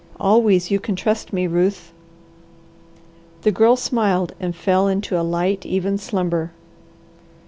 Always you can trust me, Ruth." The Girl smiled and fell into a light, even slumber.